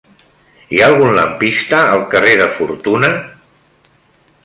Hi ha algun lampista al carrer de Fortuna?